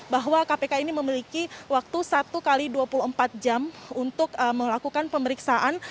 bahwa kpk ini memiliki waktu satu x dua puluh empat jam untuk melakukan pemeriksaan